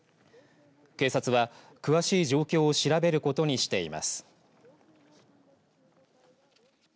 警察は、詳しい状況を調べることにしています。